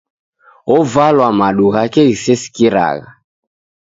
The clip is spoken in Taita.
Ovalwa madu ghake ghisesikiragha